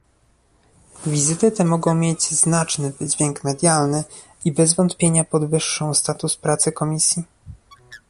Wizyty te mogą mieć znaczny wydźwięk medialny i bez wątpienia podwyższą status pracy Komisji